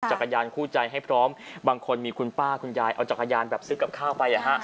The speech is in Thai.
จักรยานคู่ใจให้พร้อมบางคนมีคุณป้าคุณยายเอาจักรยานแบบซื้อกับข้าวไป